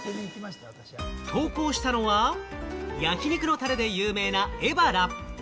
投稿したのは、焼き肉のたれで有名なエバラ。